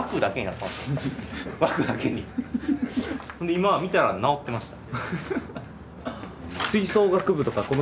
今見たら直ってました。